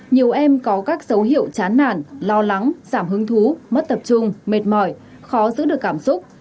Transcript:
nhiều em có các dấu hiệu chán nản lo lắng giảm hứng thú mất tập trung mệt mỏi khó giữ được cảm xúc